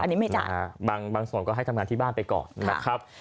อันนี้ไม่จ่ายบางส่วนก็ให้ทำงานที่บ้านไปก่อนนะครับ